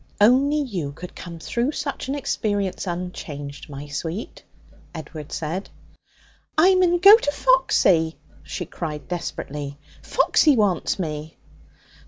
'Only you could come through such an experience unchanged, my sweet,' Edward said. 'I mun go to Foxy!' she cried desperately. 'Foxy wants me.'